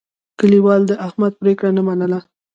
کلیوالو د احمد پرېکړه نه منله.